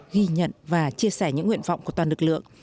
ghi nhận và chia sẻ những nguyện vọng của toàn lực lượng